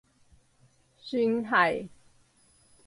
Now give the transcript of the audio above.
算係